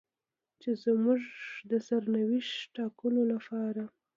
چې زموږ د سرنوشت ټاکلو لپاره.